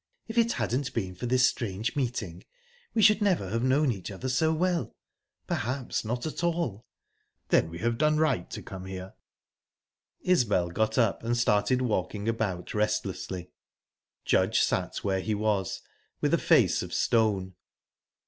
If it hadn't been for this strange meeting, we should never have known each other so well. Perhaps not at all." "Then we have done right to come here." Isbel got up, and started walking about restlessly. Judge sat where he was, with a face of stone.